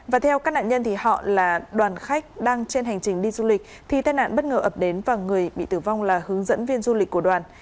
và theo các nạn nhân thì họ là đoàn khách đang trên hành trình đi du lịch thì tai nạn bất ngờ ập đến và người bị tử vong là hướng dẫn viên du lịch của đoàn